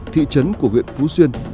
thị trấn của huyện phú xuyên